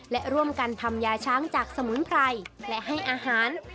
และร่วมกันทำยาช้างจากสมุนไพรและให้อาหาร